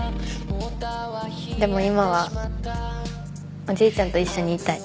でも今はおじいちゃんと一緒にいたい。